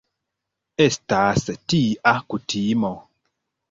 Estas tia kutimo.